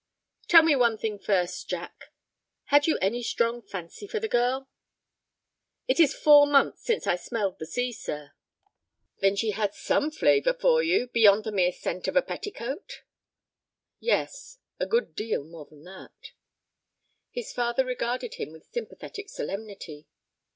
"Tell me one thing first, Jack. Had you any strong fancy for the girl?" "It is four months since I smelled the sea, sir." "Then she had some flavor for you—beyond the mere scent of a petticoat?" "Yes, a good deal more than that." His father regarded him with sympathetic solemnity.